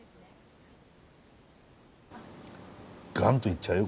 ガンといっちゃうよ